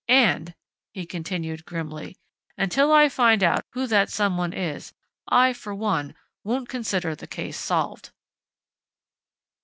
And " he continued grimly, "until I find out who that someone is, I, for one, won't consider the case solved!"